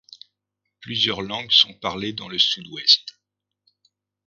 Plusieurs langues sont parlées dans le Sud-Ouest.